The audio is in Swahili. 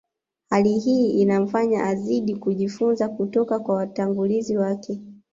Hali hii inamfanya azidi kujifunza kutoka kwa watangulizi wake